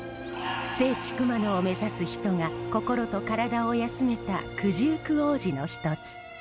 聖地熊野を目指す人が心と体を休めた九十九王子の一つ。